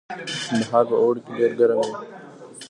کندهار په اوړي کې ډیر ګرم وي